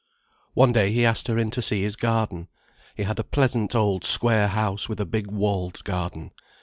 One day he asked her in to see his garden. He had a pleasant old square house with a big walled garden.